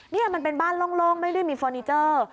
นี่มันเป็นบ้านโล่งไม่ได้มีฟอร์นิเจอร์